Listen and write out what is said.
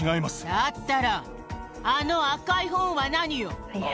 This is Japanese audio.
だったら、あの赤い本は何よ。